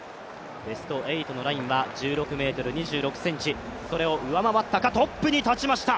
ベスト８のラインは１６ｍ２６ｃｍそれを上回ったか、トップに立ちました。